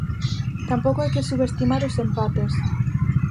Tampouco hai que subestimar os empates.